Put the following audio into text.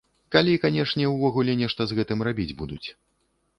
Калі, канешне, ўвогуле нешта з гэтым рабіць будуць.